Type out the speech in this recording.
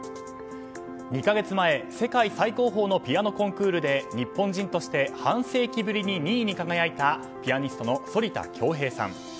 ２か月前世界最高峰のピアノコンクールで日本人として半世紀ぶりに２位に輝いたピアニストの反田恭平さん。